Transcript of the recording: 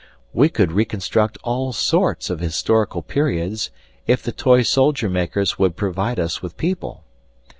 We could reconstruct all sorts of historical periods if the toy soldier makers would provide us with people.